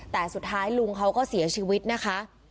แต่สุดท้ายลุงเขาก็เสียชีวิตนะคะ